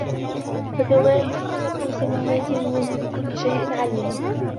فَسَوَّاهُنَّ سَبْعَ سَمَاوَاتٍ ۚ وَهُوَ بِكُلِّ شَيْءٍ عَلِيمٌ